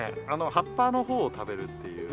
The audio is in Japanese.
葉っぱの方を食べるっていう。